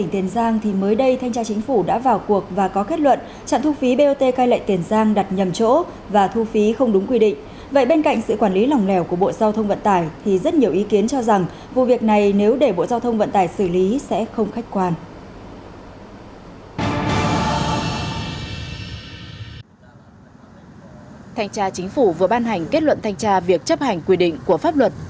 thanh tra chính phủ vừa ban hành kết luận thanh tra việc chấp hành quy định của pháp luật